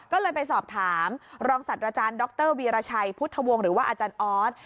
ก็เลยไปสอบถามรองศัตว์อาจารย์ดรวีรชัยพุทธวงศ์หรือว่าอาจารย์ออส